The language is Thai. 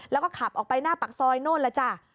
แล้วก็ขับออกไปหน้าปากซอยโน่นล่ะจ้ะ